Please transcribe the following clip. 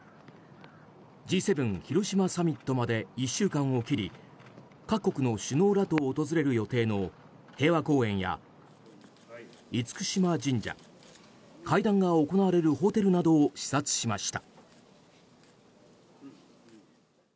Ｇ７広島サミットまで１週間を切り各国の首脳らと訪れる予定の平和公園や厳島神社会談が行われるホテルなどを視察しました。